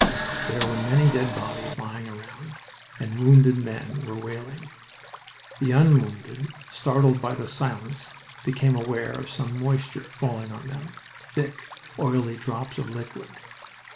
There were many dead bodies lying around, and wounded men were wailing. The unwounded, startled by the silence, became aware of some moisture falling on them; thick, oily drops of liquid.